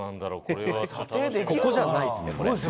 ここじゃないですねこれ。